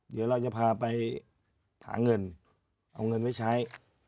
เดี๋ยวเราจะพาไปหาเงินเอาเงินไว้ใช้